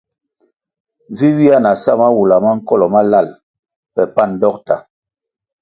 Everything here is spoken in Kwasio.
Ywe ywia na sa mawula ma nkolo malal pe pan dokta.